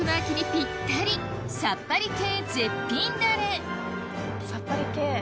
さっぱり系。